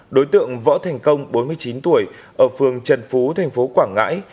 đối tượng võ thành công bốn mươi chín tuổi ở phường trần phú thành phố quảng ngãi